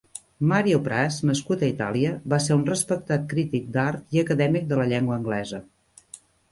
Mario Praz, nascut a Itàlia, va ser un respectat crític d'art i acadèmic de la llengua anglesa.